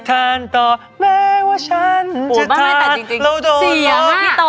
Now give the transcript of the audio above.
พี่อ๋อมไม่ได้ครับ